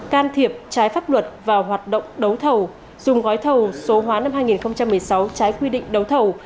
can thiệp trái pháp luật vào hoạt động đấu thầu dùng gói thầu số hóa năm hai nghìn một mươi sáu trái quy định đấu thầu